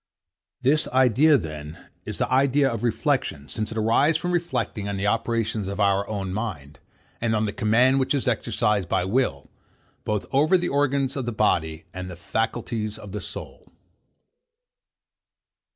This idea, then, is an idea of reflection, since it arises from reflecting on the operations of our own mind, and on the command which is exercised by will, both over the organs of the body and faculties of the soul.